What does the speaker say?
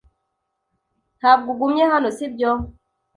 Ntabwo ugumye hano, si byo?